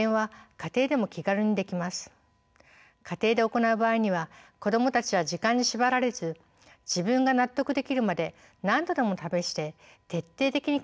家庭で行う場合には子供たちは時間に縛られず自分が納得できるまで何度でも試して徹底的に考え続けることができます。